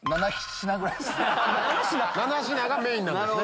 ７品がメインなんですね。